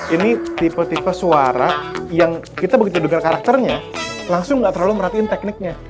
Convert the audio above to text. ini tipe tipe suara yang kita begitu dengar karakternya langsung gak terlalu merhatiin tekniknya